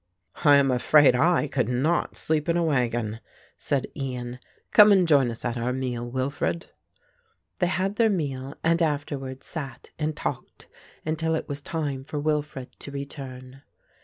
"I am afraid I could not sleep in a wagon," said Ian. "Come and join us at our meal, Wilfred." They had their meal and afterwards sat and talked until it was time for Wilfred to return.